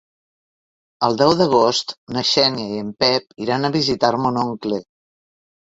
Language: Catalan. El deu d'agost na Xènia i en Pep iran a visitar mon oncle.